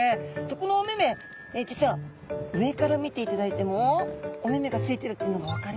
このお目々実は上から見ていただいてもお目々がついてるっていうのが分かりますよね。